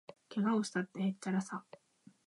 けがをしたって、へっちゃらさ